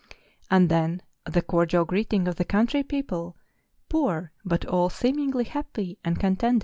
And then the cordial greeting of the country people, poor, but all seemingly happy and contented.